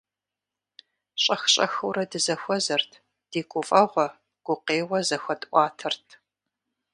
Щӏэх-щӏэхыурэ дызэхуэзэрт, ди гуфӀэгъуэ, гукъеуэ зэхуэтӀуатэрт.